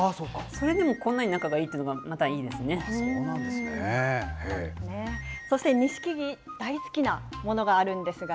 それでもこんなに仲がいいというそうなんですね。